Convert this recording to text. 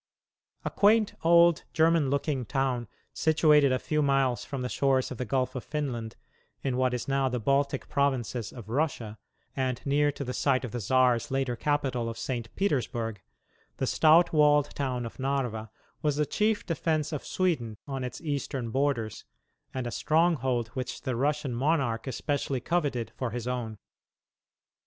A quaint old German looking town, situated a few miles from the shores of the Gulf of Finland, in what is now the Baltic provinces of Russia, and near to the site of the czar's later capital of St. Petersburg, the stout walled town of Narva was the chief defence of Sweden on its eastern borders, and a stronghold which the Russian monarch especially coveted for his own.